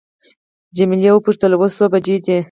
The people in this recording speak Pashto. جميله وپوښتل اوس څو بجې دي.